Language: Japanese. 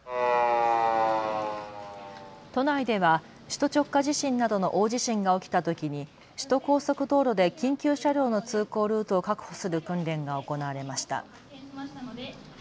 都内では首都直下地震などの大地震が起きたときに首都高速道路で緊急車両の通行ルートを確保する訓練が行われました。